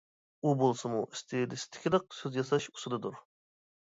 ئۇ بولسىمۇ ئىستىلىستىكىلىق سۆز ياساش ئۇسۇلىدۇر.